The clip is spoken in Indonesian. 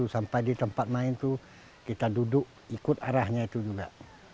sampai di tempat main itu kita duduk ikut arahnya itu juga